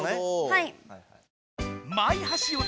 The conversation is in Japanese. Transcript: はい。